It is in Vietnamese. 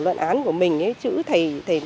luận án của mình chữ thầy